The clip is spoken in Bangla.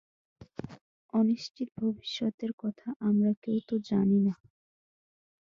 অনিশ্চিত ভবিষ্যতের কথা আমরা কেউ তো জানি না।